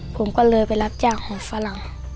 ผมก็เลยไปรับจ้างของฝรั่ง